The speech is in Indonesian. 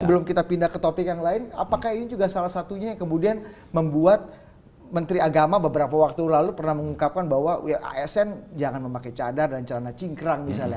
sebelum kita pindah ke topik yang lain apakah ini juga salah satunya yang kemudian membuat menteri agama beberapa waktu lalu pernah mengungkapkan bahwa asn jangan memakai cadar dan celana cingkrang misalnya